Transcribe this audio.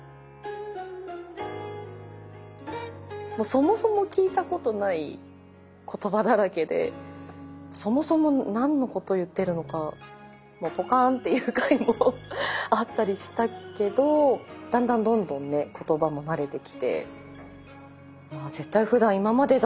そもそも聞いたことない言葉だらけでそもそも何のこと言ってるのかもうポカーンっていう回もあったりしたけどだんだんどんどんね言葉も慣れてきて。